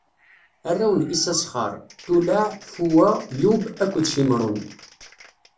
Arraw n Isasxaṛ: Tulaɛ, Fuwa, Yub akked Cimrun.